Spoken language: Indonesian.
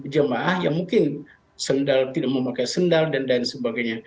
jemaah yang mungkin sendal tidak memakai sendal dan lain sebagainya